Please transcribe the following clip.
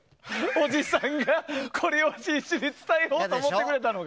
おじさんが、これを必死に伝えようと思ってくれたのが。